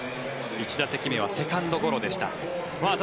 １打席目はセカンドゴロでした。